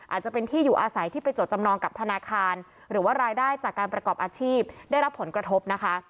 อาจจะเป็นที่อยู่อาศัยที่ไปจดจำนองกับธนาคารหรือว่ารายได้จากการประกอบอาชีพได้รับผลกระทบนะคะ